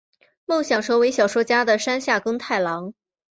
梦想成为小说家的山下耕太郎！